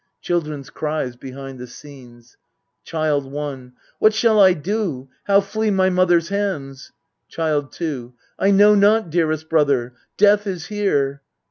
[Children 's cries behind t/ie scenes.] Child i. What shall I do? How flee my mother's hands? Child 2. I know not, dearest brother. Death is here